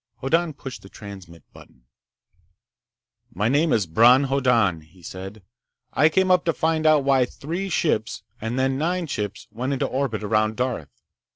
Hoddan pushed the transmit button. "My name is Bron Hoddan," he said. "I came up to find out why three ships, and then nine ships, went into orbit around Darth.